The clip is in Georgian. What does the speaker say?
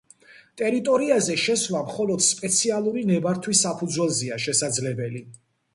ტერიტორიაზე შესვლა მხოლოდ სპეციალური ნებართვის საფუძველზეა შესაძლებელი.